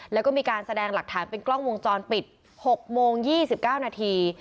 แล้วก็มีการแสดงหลักฐานเป็นกล้องวงจรปิด๖โมง๒๙นาที